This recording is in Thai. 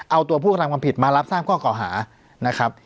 เอาตัวผู้กระทำความผิดมารับทราบข้อเก่าหานะครับ